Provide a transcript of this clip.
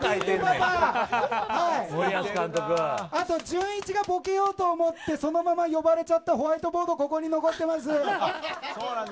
あと、じゅんいちがボケようと思ってそのまま呼ばれちゃったホワイトボードがここに残ってます。